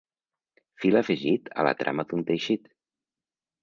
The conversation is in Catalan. Fil afegit a la trama d'un teixit.